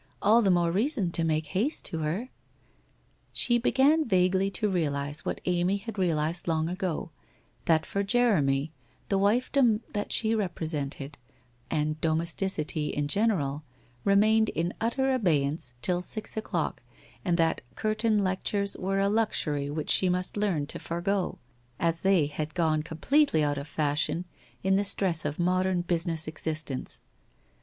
... All the more reason to make haste to her ?... She began vaguely to realize what Amy had realized long ago, that for Jeremy, the wifedom that she repre sented, and domesticity in general, remained in utter abey ance till six o'clock, and that curtain lectures were a luxury which she must learn to forego, as they had gone com pletely out of fashion in the stress of modern business existence.